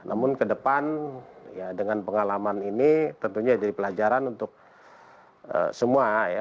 namun ke depan ya dengan pengalaman ini tentunya jadi pelajaran untuk semua ya